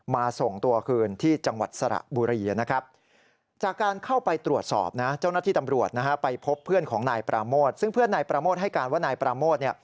มาส่งตัวคืนที่จังหวัดสระบุรี